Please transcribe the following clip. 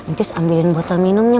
njus ambilin botol minumnya